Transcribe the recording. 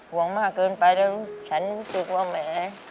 มากเกินไปแล้วฉันรู้สึกว่าแหม